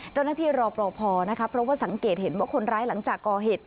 รอปภนะคะเพราะว่าสังเกตเห็นว่าคนร้ายหลังจากก่อเหตุ